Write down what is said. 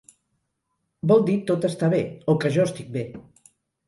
Vol dir tot està bé, o que jo estic bé.